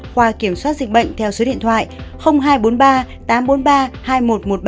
qua kiểm soát dịch bệnh theo số điện thoại hai trăm bốn mươi ba tám trăm bốn mươi ba hai nghìn một trăm một mươi ba